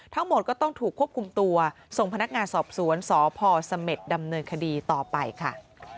ทั้งหมดก็ต้องถูกควบคุมตัวส่งพนักงานสอบสวนสพสเม็ดดำเนินคดีต่อไปค่ะ